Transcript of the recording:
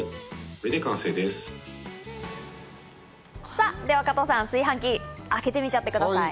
さあでは加藤さん、炊飯器、開けてみちゃってください。